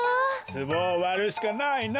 つぼをわるしかないな。